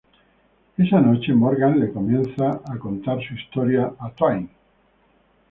Esa noche Morgan le comienza a contar su historia a Twain.